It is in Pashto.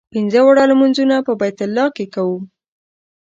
پنځه واړه لمونځونه په بیت الله کې کوو.